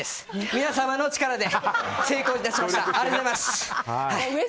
皆様の力で成功致しました。